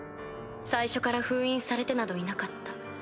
最初から封印されてなどいなかった。